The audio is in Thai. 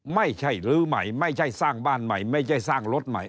ไม่ใช่ลื้อใหม่ไม่ใช่สร้างบ้านใหม่ไม่ใช่สร้างรถใหม่